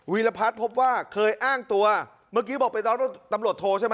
รพัฒน์พบว่าเคยอ้างตัวเมื่อกี้บอกไปตอนตำรวจโทรใช่ไหม